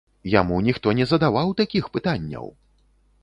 Яму ніхто не задаваў такіх пытанняў!